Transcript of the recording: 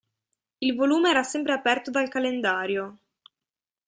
Il volume era sempre aperto dal calendario.